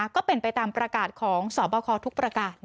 ก็เป็นไปตามประกาศของสบคทุกประกาศ